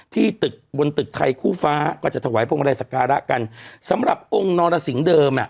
ที่ตึกบนตึกไทยคู่ฟ้าก็จะถวายพวงมาลัยสักการะกันสำหรับองค์นรสิงเดิมอ่ะ